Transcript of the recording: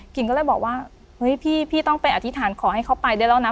ก็เลยบอกว่าเฮ้ยพี่ต้องไปอธิษฐานขอให้เขาไปได้แล้วนะ